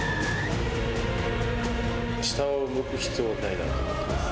下を向く必要はないかなと思っています。